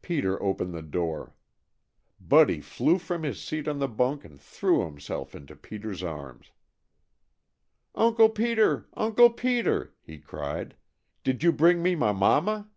Peter opened the door. Buddy flew from his seat on the bunk and threw himself into Peter's arms. "Uncle Peter! Uncle Peter!" he cried. "Did you bring me my mama?"